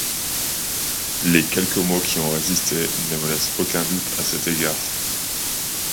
Les quelques mots qui ont résisté ne me laissent aucun doute à cet égard.